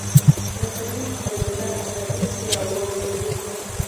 رسنۍ د نظر ازادي پیاوړې کوي.